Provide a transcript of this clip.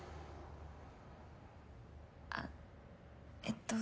あっえっと